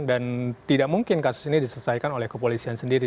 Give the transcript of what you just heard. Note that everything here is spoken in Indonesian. dan tidak mungkin kasus ini diselesaikan oleh kepolisian sendiri